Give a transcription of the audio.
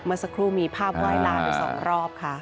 เมื่อสักครู่มีภาพว่ายลาไปสองรอบค่ะ